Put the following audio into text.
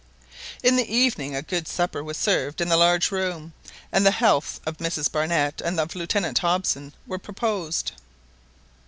In the evening a good supper was served in the large room, and the healths of Mrs Barnett and of Lieutenant Hobson were proposed.